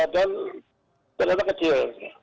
dan terjadi kecil